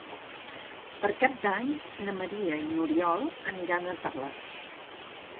Per Cap d'Any na Maria i n'Oriol aniran a Tales.